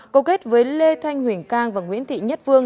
cầu kết với lê thanh huỳnh cang và nguyễn thị nhất vương